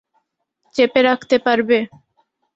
চেপে রাখতে পারবে?